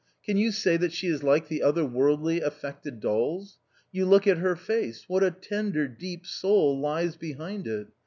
can you say that she is like the other worldly, affected dolls ? You look at her face ; what a tender deep soul lies behind it.